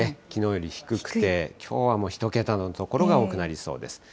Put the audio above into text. きのうより低くて、きょうはもう１桁の所が多くなりそうです。